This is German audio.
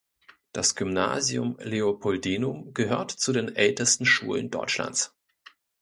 Das Gymnasium Leopoldinum gehört zu den ältesten Schulen Deutschlands.